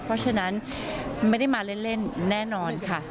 เพราะฉะนั้นไม่ได้มาเล่นแน่นอนค่ะ